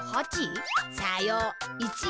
さよう。